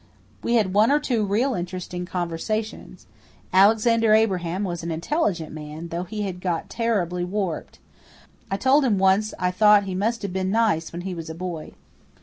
We had one or two real interesting conversations. Alexander Abraham was an intelligent man, though he had got terribly warped. I told him once I thought he must have been nice when he was a boy.